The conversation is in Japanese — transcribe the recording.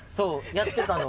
やってたの。